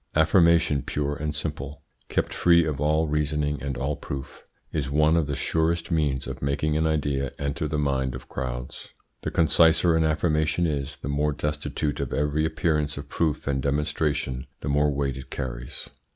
Affirmation pure and simple, kept free of all reasoning and all proof, is one of the surest means of making an idea enter the mind of crowds. The conciser an affirmation is, the more destitute of every appearance of proof and demonstration, the more weight it carries.